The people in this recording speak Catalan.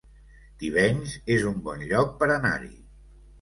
Tivenys es un bon lloc per anar-hi